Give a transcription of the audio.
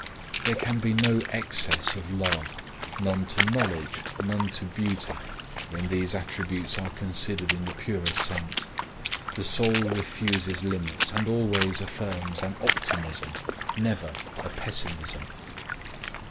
There can be no excess to love, none to knowledge, none to beauty, when these attributes are considered in the purest sense. The soul refuses limits, and always affirms an Optimism, never a Pessimism.